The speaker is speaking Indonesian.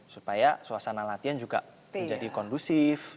supaya suasana latihan juga menjadi kondusif